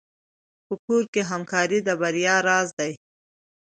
په کور کې همکاري د بریا راز دی.